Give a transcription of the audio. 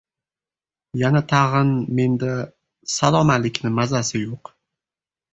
Yana tag‘in, menda… salom-alikni mazasi yo‘q.